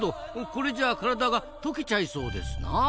これじゃあ体が溶けちゃいそうですなあ。